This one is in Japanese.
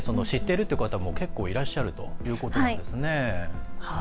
知っているという方も結構いらっしゃるということなんですね。